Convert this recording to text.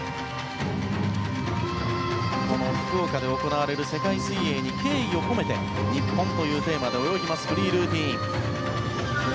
この福岡で行われる世界水泳に敬意を込めて日本というテーマで泳ぎます、フリールーティン。